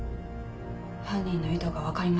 犯人の意図が分かりません。